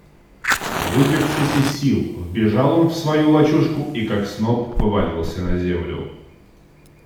Выбившись из сил, вбежал он в свою лачужку и, как сноп, повалился на землю.